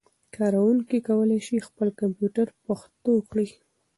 کاروونکي کولای شي خپل کمپيوټر پښتو کړي.